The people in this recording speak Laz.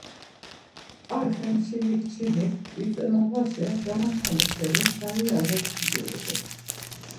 Ar Xemşeli kçinik Vitzenoğaşa gamaçamu şeni sari yaği kogeiğu.